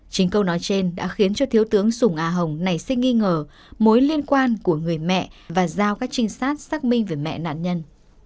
chính câu nói trên đã khiến cho thiếu tướng sùng a hồng nảy sinh nghi ngờ mối liên quan của người mẹ và giao các trinh sát xác minh về mẹ nạn nhân